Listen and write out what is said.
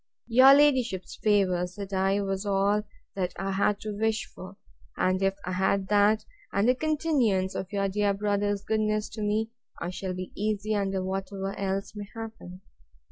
Your ladyship's favour, said I, was all I had to wish for; and if I have that, and the continuance of your dear brother's goodness to me, I shall be easy under whatever else may happen.